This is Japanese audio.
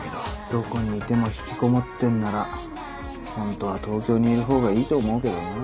どこにいても引きこもってんならホントは東京にいる方がいいと思うけどな。